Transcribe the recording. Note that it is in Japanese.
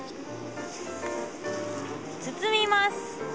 包みます。